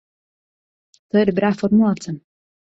To je dobrá formulace.